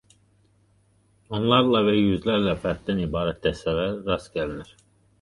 Onlarla və yüzlərlə fərddən ibarət dəstələrə rast gəlinir.